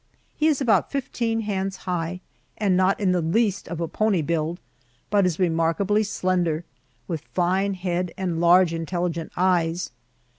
He is about fifteen hands high and not in the least of a pony build, but is remarkably slender, with fine head and large intelligent eyes.